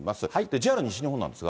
ＪＲ西日本なんですが。